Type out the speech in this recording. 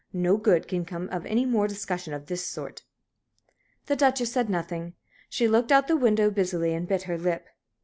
"No good can come of any more discussion of this sort." The Duchess said nothing. She looked out of the window busily, and bit her lip.